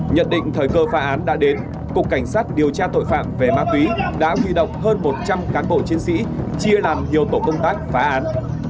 nhận định thời cơ phá án đã đến cục cảnh sát điều tra tội phạm về ma túy đã huy động hơn một trăm linh cán bộ chiến sĩ chia làm nhiều tổ công tác phá án